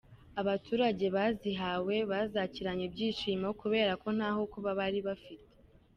Abaturage bazihawe bazakiranye ibyishimo kubera ko ntaho kuba bari bafite.